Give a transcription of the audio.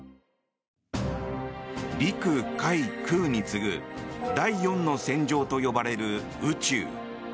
陸海空に次ぐ第４の戦場と呼ばれる宇宙。